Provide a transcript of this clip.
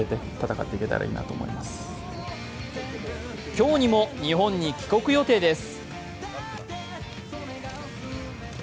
今日にも日本に帰国予定です。